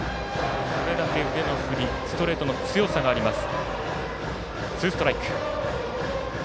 それだけ、腕の振りストレートの強さがあります。